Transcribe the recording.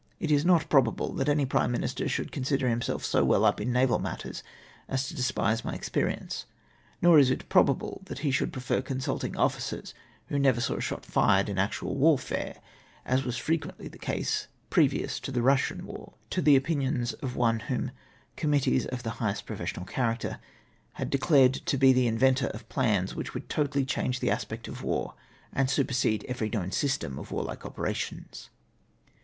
It is not probable that any prime minister should consider himself so well up in naval matters as to despise my experience. Kor is it probable that he should prefer consulting officers who never saw a shot fired in actual warfare, •— as was frequently the case previous to tlie Eussian war, —■ to the opmions of one whom committees of the highest professional character had declared to be the inventor of plans which would totally change the aspect of war, and supersede every known system of warlike operations.